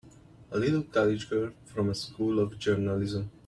A little college girl from a School of Journalism!